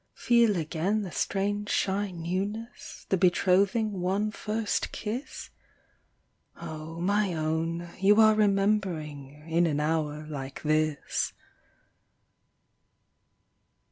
Feel again the strange shy newness, The betrothing one first kiss ? Oh, my own, you are remembering In an hour like this."